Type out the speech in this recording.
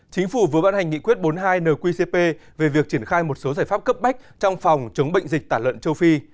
chính phủ vừa bán hành nghị quyết bốn mươi hai nqcp về việc triển khai một số giải pháp cấp bách trong phòng chống bệnh dịch tả lợn châu phi